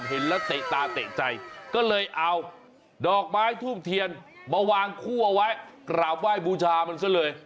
เห็นแล้วเตะตาเตะใจก็เลยเอาดอกไม้ทูบเทียนมาวางคู่เอาไว้กราบไหว้บูชามันซะเลย